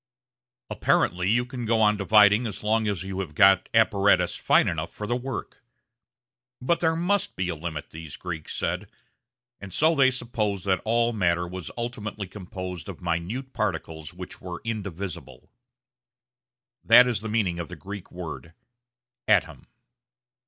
Apparently you can go on dividing as long as you have got apparatus fine enough for the work. But there must be a limit, these Greeks said, and so they supposed that all matter was ultimately composed of minute particles which were indivisible. That is the meaning of the Greek word "atom."